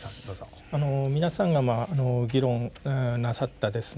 あの皆さんが議論なさったですね